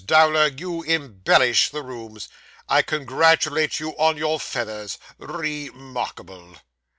Dowler, you embellish the rooms. I congratulate you on your feathers. Re markable!